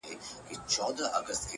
د شېخانو د ټگانو، د محل جنکۍ واوره،